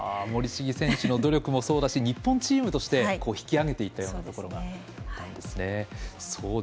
森重選手の努力もそうだし日本チームとして引き上げていったようなところがあるんですね。